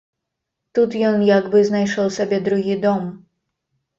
Тут ён як бы знайшоў сабе другі дом.